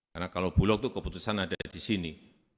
karena kalau blok itu keputusan ada di sini